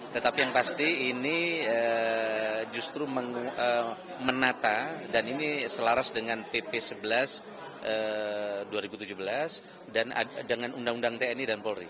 tetapi yang pasti ini justru menata dan ini selaras dengan pp sebelas dua ribu tujuh belas dan dengan undang undang tni dan polri